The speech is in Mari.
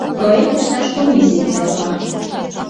Проект ышташ комиссийым сайлыман.